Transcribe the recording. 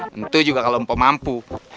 tentu juga kalo mpok mampu